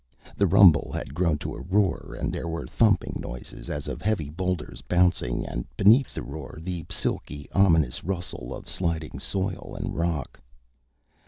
The rumble had grown to a roar and there were thumping noises, as of heavy boulders bouncing, and beneath the roar the silky, ominous rustle of sliding soil and rock.